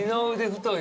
太い。